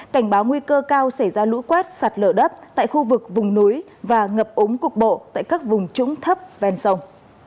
cảnh báo nguy cơ cao xảy ra lũ quét sạt lở đất tại khu vực vùng núi và ngập ống cục bộ tại các vùng trũng thấp ven sông